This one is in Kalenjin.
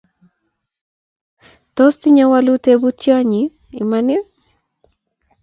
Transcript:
Tos tinye walut tebutyoni iman ii?